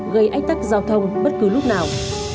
gây ách tắc giao thông bất cứ lúc nào